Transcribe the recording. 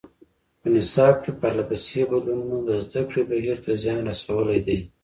په نصاب کې پرله پسې بدلونونو د زده کړې بهیر ته زیان رسولی دی.